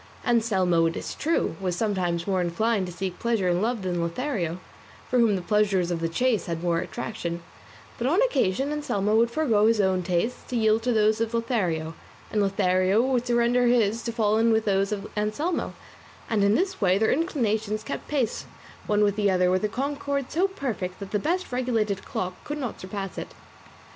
Anselmo, it is true, was somewhat more inclined to seek pleasure in love than Lothario, for whom the pleasures of the chase had more attraction; but on occasion Anselmo would forego his own tastes to yield to those of Lothario, and Lothario would surrender his to fall in with those of Anselmo, and in this way their inclinations kept pace one with the other with a concord so perfect that the best regulated clock could not surpass it.